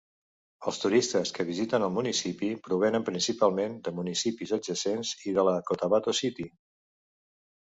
Els turistes que visiten el municipi provenen principalment de municipis adjacents i de la Cotabato City.